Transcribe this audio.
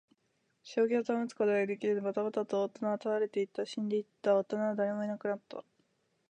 正気を保つことができず、ばたばたと大人は倒れていった。死んでいった。大人は誰もいなくなった。